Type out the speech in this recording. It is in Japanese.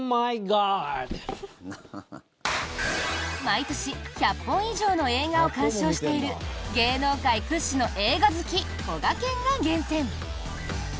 毎年１００本以上の映画を鑑賞している芸能界屈指の映画好きこがけんが厳選！